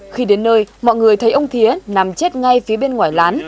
khi đến nơi mọi người thấy ông thiế nằm chết ngay phía bên ngoài lán